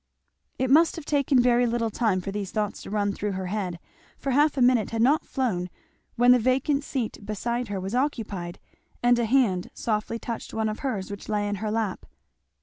It must have taken very little time for these thoughts to run through her head, for half a minute had not flown when the vacant seat beside her was occupied and a hand softly touched one of hers which lay in her lap.